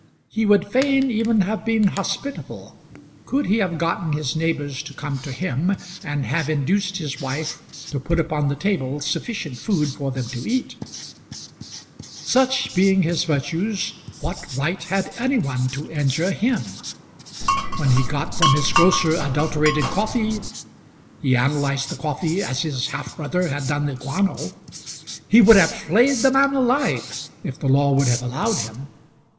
He would fain even have been hospitable, could he have gotten his neighbours to come to him and have induced his wife to put upon the table sufficient food for them to eat. Such being his virtues, what right had any one to injure him? When he got from his grocer adulterated coffee, he analyzed the coffee, as his half brother had done the guano, he would have flayed the man alive if the law would have allowed him.